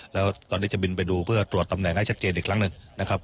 แล้วตอนนี้จะบินไปดูเพื่อตรวจตำแหน่งให้ชัดเจนอีกครั้งหนึ่งนะครับ